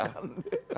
bentar pak ya